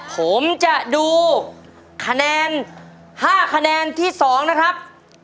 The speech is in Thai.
ผมจะดูคะแนน๕คะแนนที่๒นะครับ